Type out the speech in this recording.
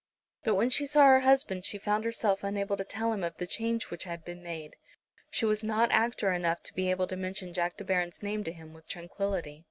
But when she saw her husband she found herself unable to tell him of the change which had been made. She was not actor enough to be able to mention Jack De Baron's name to him with tranquillity.